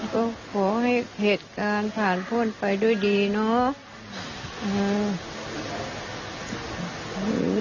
ก็ขอให้เหตุการณ์ผ่านพ่นไปด้วยดีเนาะ